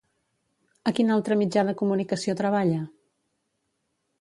A quin altre mitjà de comunicació treballa?